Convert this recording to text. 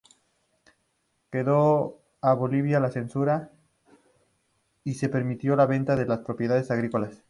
Quedó abolida la censura y se permitió la venta de las propiedades agrícolas.